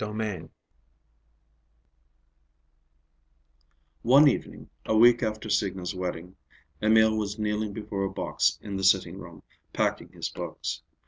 III One evening, a week after Signa's wedding, Emil was kneeling before a box in the sitting room, packing his books.